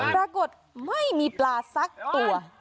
ปรากฏไม่มีปลาสักตัว